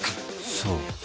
そう。